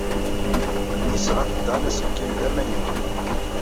Yesɣa-d Dan aselkim d amaynu.